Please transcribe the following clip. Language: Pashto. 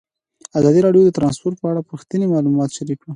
ازادي راډیو د ترانسپورټ په اړه رښتیني معلومات شریک کړي.